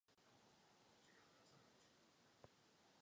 To vše je jen součástí procesu.